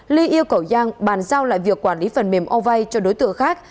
li yêu cầu giang bàn giao lại việc quản lý phần mềm ô vay cho đối tượng khác